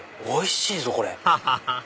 おいしいぞ！